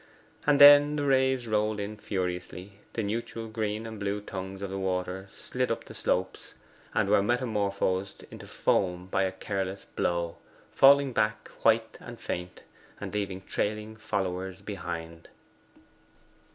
And then the waves rolled in furiously the neutral green and blue tongues of water slid up the slopes, and were metamorphosed into foam by a careless blow, falling back white and faint, and leaving trailing followers behind.